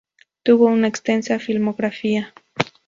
Tuvo una extensa filmografía.